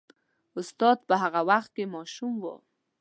استاد په هغه وخت کې ماشوم و.